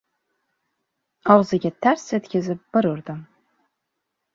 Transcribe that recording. Og‘ziga tars etkizib bir urdim.